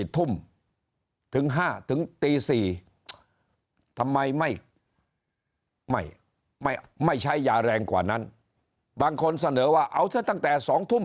ทุ่มถึง๕ถึงตี๔ทำไมไม่ใช้ยาแรงกว่านั้นบางคนเสนอว่าเอาซะตั้งแต่๒ทุ่ม